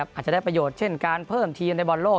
อาจจะได้ประโยชน์เช่นการเพิ่มทีมในบอลโลก